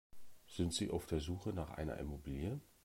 Sind Sie auf der Suche nach einer Immobilie?